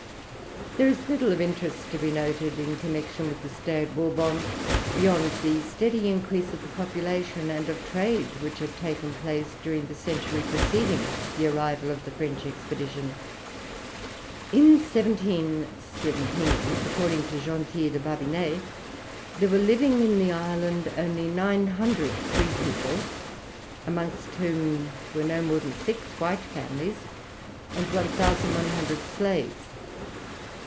There is little of interest to be noted in connexion with the stay at Bourbon beyond the steady increase of the population and of trade which had taken place during the century preceding the arrival of the French expedition in 1717. According to Gentil de Barbinais, there were living in the island only 900 free people, amongst whom were no more than six white families, and 1100 slaves.